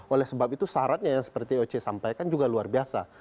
oleh sebab itu syaratnya yang seperti oce sampaikan juga luar biasa